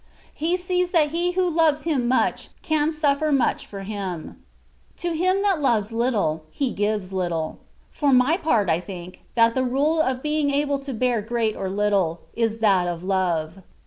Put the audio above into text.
He sees that he who loves Him much, can suffer much for Him. To him that loves little. He gives little. For my part I think, that the rule of being able to bear great or little, is that of love.